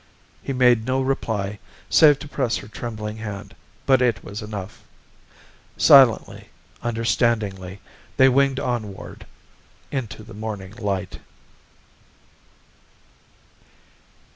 He made no reply, save to press her trembling hand. But it was enough. Silently, understandingly, they winged onward into the morning light.